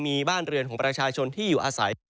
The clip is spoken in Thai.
มีบ้านเรือนของประชาชนที่อยู่อาศัย